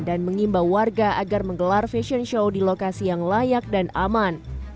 dan mengimbau warga agar menggelar fashion show di lokasi yang layak dan aman